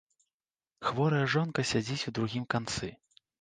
Хворая жонка сядзіць у другім канцы.